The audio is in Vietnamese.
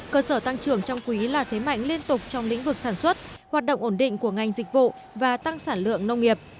cơ sở tăng trưởng trong quý là thế mạnh liên tục trong lĩnh vực sản xuất hoạt động ổn định của ngành dịch vụ và tăng sản lượng nông nghiệp